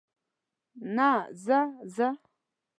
نه، زه، زه.